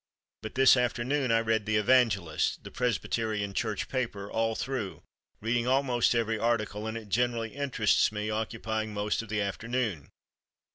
"But this afternoon I read the 'Evangelist' [the Presbyterian Church paper] all through, reading almost every article, and it generally interests me, occupying most of the afternoon.